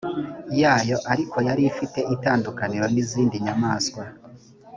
yayo ariko yari ifite itandukaniro n izindi nyamaswa